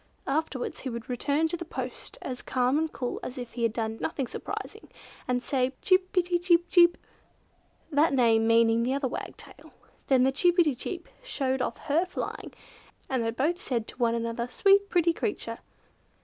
Afterwards he would return to his post as calm and cool as if he had done nothing surprising and say "Pretty pretty Chip pi ti chip!" that name meaning the other wagtail. Then Chip pi ti chip showed off her flying, and they both said to one another "Sweet pretty creature!"